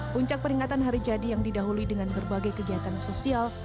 puncak peringatan hari jadi yang didahului dengan berbagai kegiatan sosial